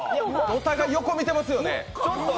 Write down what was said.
お互い、横見てますよね。